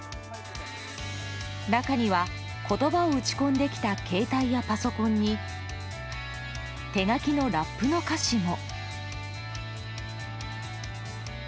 中には言葉を打ち込んできた携帯やパソコンに手書きのラップの歌詞も。